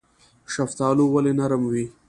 شفتالو ولې نرم وي؟